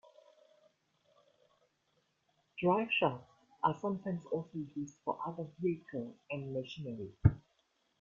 Driveshafts are sometimes also used for other vehicles and machinery.